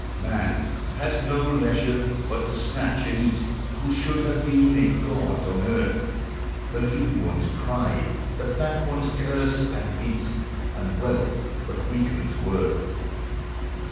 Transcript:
Man has no leisure but to snatch and eat, Who should have been a god on earth; The lean ones cry; the fat ones curse and beat, And wealth but weakens worth.